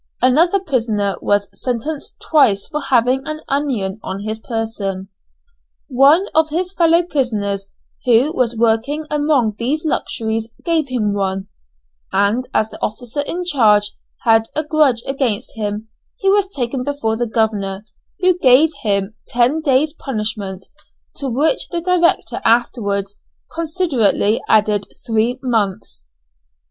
Another prisoner was sentenced twice for having an onion on his person. One of his fellow prisoners who was working among these luxuries gave him one, and as the officer in charge had a grudge against him, he was taken before the governor, who gave him ten days' punishment, to which the director afterwards considerately added three months!